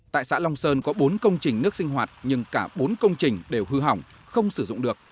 tại xã long sơn có bốn công trình nước sinh hoạt nhưng cả bốn công trình đều hư hỏng không sử dụng được